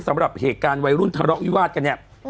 สำหรับเหตุการณ์วัยรุ่นทะเลาะวิวาสกันเนี่ย